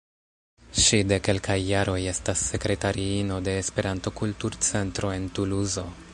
Ŝi de kelkaj jaroj estas sekretariino de Esperanto-Kultur-Centro en Tuluzo.